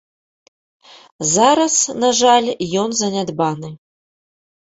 Зараз, на жаль, ён занядбаны.